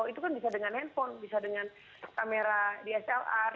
itu kan bisa dengan handphone bisa dengan kamera dslr